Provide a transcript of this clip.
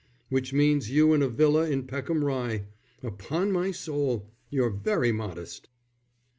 "Which means you and a villa in Peckham Rye. Upon my soul, you're very modest."